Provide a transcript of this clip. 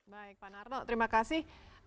baik pak narto terima kasih